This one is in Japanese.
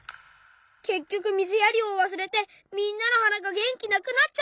けっきょくみずやりをわすれてみんなのはながげんきなくなっちゃった！